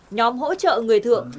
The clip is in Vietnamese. nhóm hỗ trợ người thượng